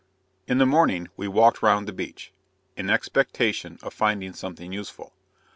In the morning we walked round the beach, in expectation of finding something useful.